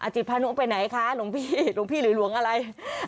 จิตพนุไปไหนคะหลวงพี่หรือหลวงอะไร